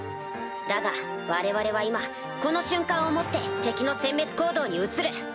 だが我々は今この瞬間をもって敵の殲滅行動に移る。